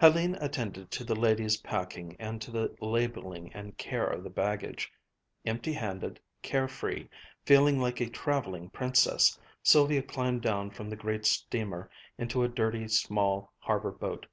Hélène attended to the ladies' packing and to the labeling and care of the baggage. Empty handed, care free, feeling like a traveling princess, Sylvia climbed down from the great steamer into a dirty, small harbor boat.